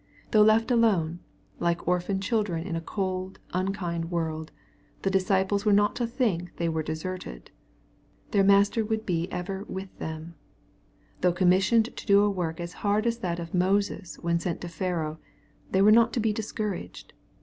Though left alone, like orphan children in a cold, unkind world, the disciples were not to think they were deserted. Their Master would be ever " with them.*' Though commissioned to do a work as hard as that of Moses when sent to Pharaoh, they were not to be discouraged.